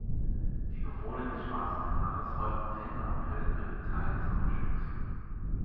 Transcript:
Die Bewohner des Schwarzen Kanals räumten Ende April einen Teil des Grundstücks.